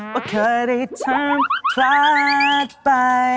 ว่าเคยได้เชิญพลาดไป